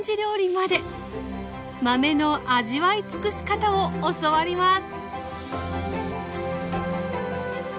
豆の味わいつくし方を教わります